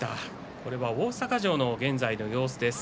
これは大阪城の現在の様子です。